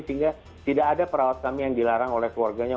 sehingga tidak ada perawat kami yang dilarang oleh keluarganya